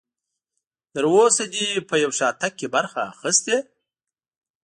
تر اوسه دې په یو شاتګ کې برخه اخیستې؟